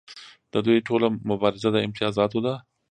د دوی ټوله مبارزه د امتیازاتو ده.